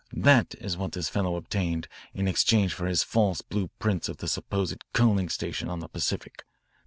That is what this fellow obtained in exchange for his false blue prints of the supposed coaling station on the Pacific.